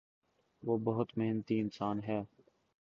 وہ بہت محنتی انسان ہے۔